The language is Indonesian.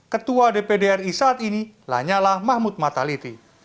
ketua dpdri saat ini lanyalah mahmud mataliti